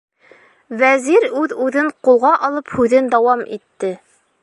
Вәзир үҙ-үҙен ҡулға алып һүҙен дауам итте: